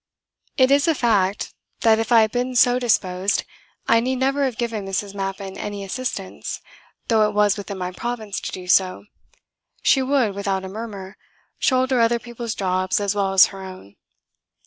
It is a fact that if I had been so disposed I need never have given Mrs. Mappin any assistance, though it was within my province to do so. She would, without a murmur, shoulder other people's jobs as well as her own.